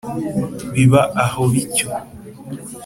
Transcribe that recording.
biba aho bityo.